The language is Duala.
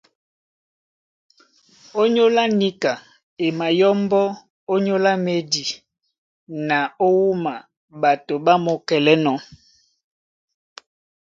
Ónyólá níka, e mayɔ́mbɔ́ ónyólá médi na ó wúma ɓato ɓá mɔ́kɛlɛ́nɔ̄.